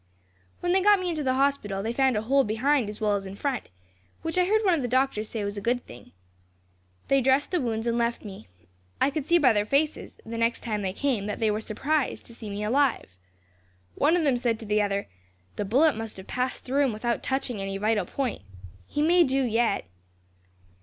"When they got me into the hospital, they found a hole behind as well as in front, which I heard one of the doctors say was a good thing. They dressed the wounds and left me. I could see by their faces, the next time they came, that they were surprised to see me alive. One of them said to the other: "'The bullet must have passed through him without touching any vital point. He may do yet.'